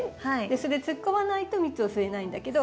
それ突っ込まないと蜜を吸えないんだけど。